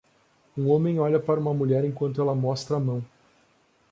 Um homem olha para uma mulher enquanto ela mostra a mão.